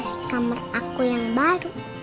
asi kamar aku yang baru